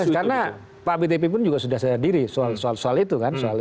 karena pak btp pun juga sudah sadari soal itu